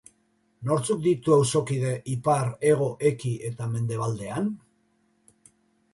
Nortzuk ditu auzokide ipar, hego, eki eta mendebaldean?